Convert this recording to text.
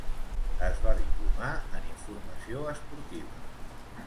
Es va diplomar en informació esportiva.